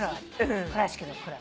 倉敷の「倉」